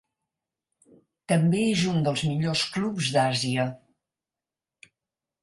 També és un dels millors clubs d'Àsia.